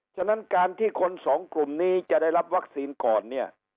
ฉะนั้นการที่คนสองกลุ่มนี้จะได้รับวัคซีนก่อนเนี่ย